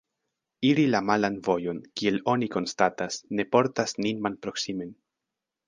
Iri la malan vojon, kiel oni konstatas, ne portas nin malproksimen.